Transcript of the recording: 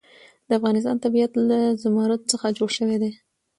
د افغانستان طبیعت له زمرد څخه جوړ شوی دی.